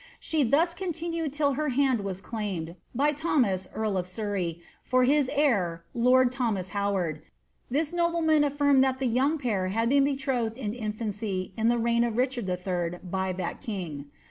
She thus continued till her hand v 'ume<), i>y Thomas earl of Surrey, for his heir lord Thomas Howard^ 1 :; nobleman affirmed that the young pair had been betrothed in infancjr ihe reign of Richard III, by iliat king.'